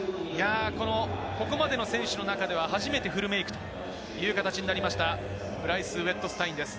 ここまでの選手の中では初めてフルメイクといういう形になりました、ブライス・ウェットスタインです。